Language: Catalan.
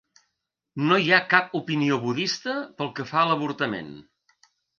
No hi ha cap opinió budista pel que fa a l'avortament.